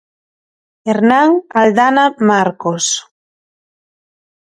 Hernán Aldana Marcos.